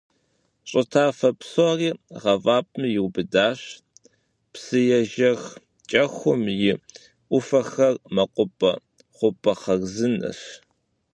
Щӏы тафэ псори гъавапӀэм иубыдащ, псыежэх КӀэхум и Ӏуфэхэр мэкъупӀэ, хъупӀэ хъарзынэщ.